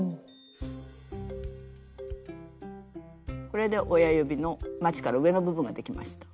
これで親指のまちから上の部分ができました。